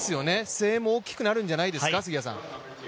声援も大きくなるんじゃないですか。